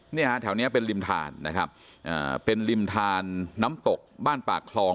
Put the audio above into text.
เนี่ยฮะแถวนี้เป็นริมทานนะครับอ่าเป็นริมทานน้ำตกบ้านปากคลอง